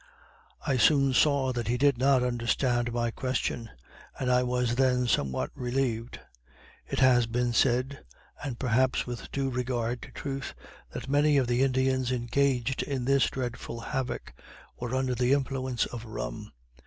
I soon saw that he did not understand my question, and I was then somewhat relieved. It has been said, and perhaps with due regard to truth, that many of the Indians engaged in this dreadful havoc, were under the influence of rum.